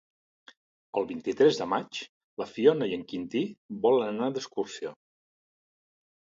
El vint-i-tres de maig na Fiona i en Quintí volen anar d'excursió.